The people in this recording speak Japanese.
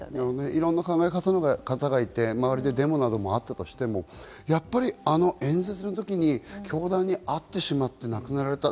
いろんな考えの方があって、周りにデモがあったとしても、やっぱりあの演説のときに凶弾にあってしまって亡くなられた。